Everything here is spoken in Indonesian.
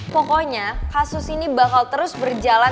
pokoknya kasus ini bakal terus berjalan